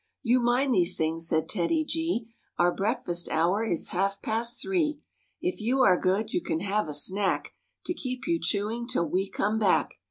" You mind these things," said TEDDY G, " Our breakfast hour is half past three. If you are good you can have a snack To keep you chewing till we come back."